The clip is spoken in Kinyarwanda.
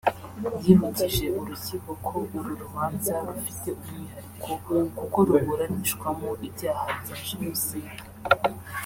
yibukije Urukiko ko uru rubanza rufite umwihariko kuko ruburanishwamo ibyaha bya Jenoside